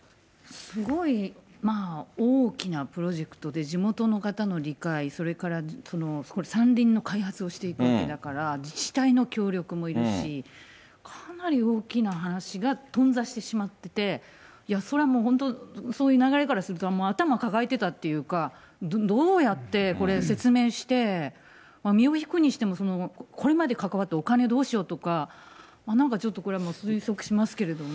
すごい大きなプロジェクトで、地元の方の理解、それから山林の開発をしていくわけだから自治体の協力もいるし、かなり大きな話が頓挫してしまってて、そりゃもう、そういう流れからすると、頭抱えてたっていうか、どうやってこれ、説明して、身を引くにしても、これまで関わったお金どうしようとか、なんかちょっと、これはもう推測しちゃいますけれどもね。